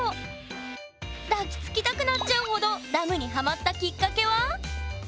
抱きつきたくなっちゃうほどダムにハマったきっかけは？